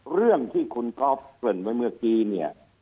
เรื่องที่คุณก๊อฟเกริ่นไว้เมื่อกี้เนี่ย